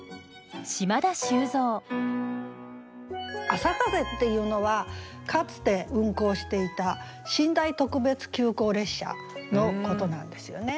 「あさかぜ」っていうのはかつて運行していた寝台特別急行列車のことなんですよね。